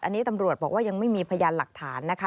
อันนี้ตำรวจบอกว่ายังไม่มีพยานหลักฐานนะคะ